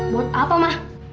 buat apa ma